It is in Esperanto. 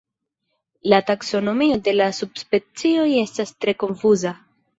La taksonomio de la subspecioj estas tre konfuza.